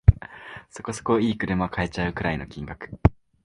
そこそこ良い車買えちゃうくらいの金額